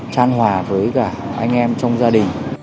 tran hòa với cả anh em trong gia đình